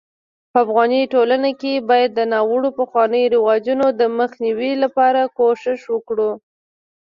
په افغاني ټولنه کي بايد د ناړوه پخوانيو رواجونو دمخ نيوي لپاره کوښښ وکړو